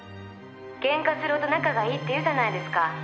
「ケンカするほど仲がいいって言うじゃないですか」